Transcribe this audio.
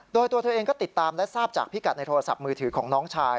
โดยตัวเธอเองก็ติดตามและทราบจากพิกัดในโทรศัพท์มือถือของน้องชาย